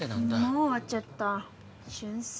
もう終わっちゃった瞬殺